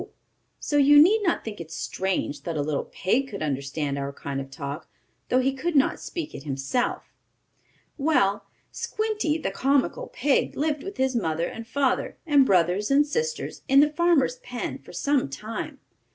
So you need not think it strange that a little pig could understand our kind of talk, though he could not speak it himself. Well, Squinty, the comical pig, lived with his mother and father and brothers and sisters in the farmer's pen for some time.